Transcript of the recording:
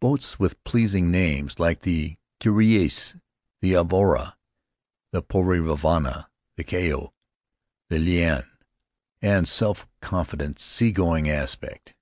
Boats with pleasing names, like the Curieuse, the Avarua, the Potii Ravarava, the Kaeo, the Liane — and self confident, seagoing aspect.